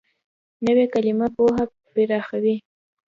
نوې کلیمه پوهه پراخوي